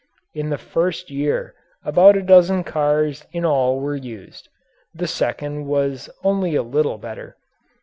In the first year about a dozen cars in all were used; the second was only a little better.